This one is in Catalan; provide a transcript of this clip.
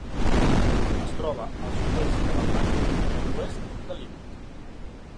Es troba al sud-est de l'Atlàntic i a l'oest de l'Índic.